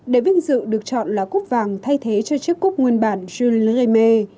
để viên dự được chọn là cúp vàng thay thế cho chiếc cúp nguyên bản jules leme